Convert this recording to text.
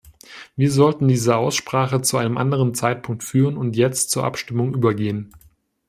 Wir sollten diese Aussprache zu einem anderen Zeitpunkt führen und jetzt zur Abstimmung übergehen.